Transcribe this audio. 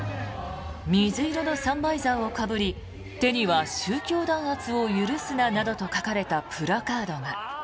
水色のサンバイザーをかぶり手には「宗教弾圧を許すな」などと書かれたプラカードが。